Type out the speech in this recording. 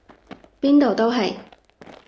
邊度都係！